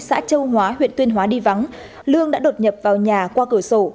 xã châu hóa huyện tuyên hóa đi vắng lương đã đột nhập vào nhà qua cửa sổ